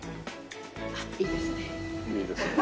あっいいですね。